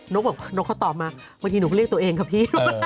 นกเขาตอบมาบางทีหนูเรียกตัวเองกับพี่